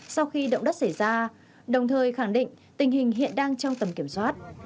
sau khi động đất xảy ra đồng thời khẳng định tình hình hiện đang trong tầm kiểm soát